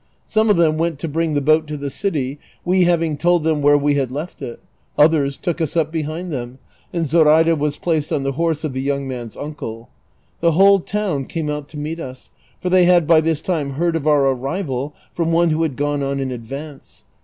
Some of them went to bring the boat to the city, we having told them where we had left it; others took us up behind them, and Zoraida was placed on the horse of the young man's uncle. The whole town came out to meet us, for they had by this time heard of our arrival from one who had gone on in advance.